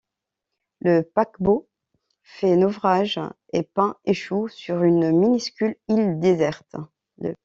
Le paquebot fait naufrage et Pin échoue sur une minuscule île déserte.